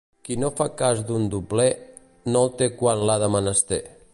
Qui no fa cas d'un dobler, no el té quan l'ha de menester.